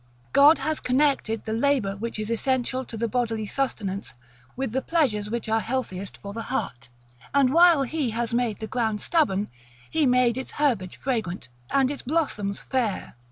God has connected the labor which is essential to the bodily sustenance, with the pleasures which are healthiest for the heart; and while He made the ground stubborn, He made its herbage fragrant, and its blossoms fair.